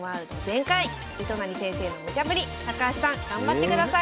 糸谷先生のムチャぶり高橋さん頑張ってください